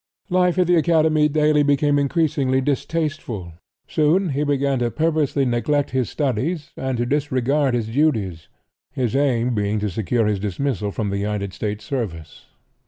Life at the academy daily became increasingly distasteful. Soon he began to purposely neglect his studies and to disregard his duties, his aim being to secure his dismissal from the United States service.